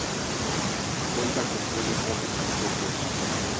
Cuenta con tres depósitos propios.